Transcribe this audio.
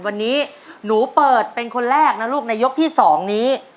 วันนี้หนูเปิดเป็นคนแรกนะลูกในยกที่๒นี้